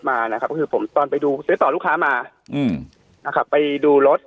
มานะครับก็คือผมตอนไปดูซื้อต่อลูกค้ามาอืมนะครับไปดูรถ